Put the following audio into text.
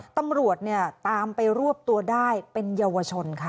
ตำรวจเนี่ยตามไปรวบตัวได้เป็นเยาวชนค่ะ